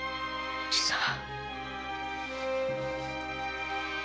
おじさん！